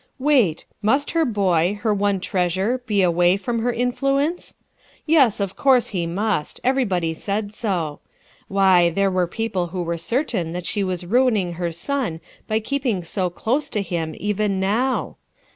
Wait, must her boy, her one treasure, be away from her influence? Yes, of course he must; everybody said so. Why, there were people who were certain that she was ruining her son by keeping so close to him even now.